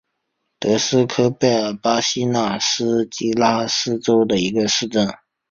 德斯科贝图是巴西米纳斯吉拉斯州的一个市镇。